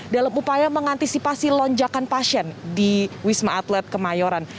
dalam upaya mengantisipasi lonjakan pasien di wisma atlet kemayoran